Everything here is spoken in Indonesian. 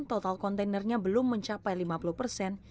total kontainernya belum mencapai lima puluh persen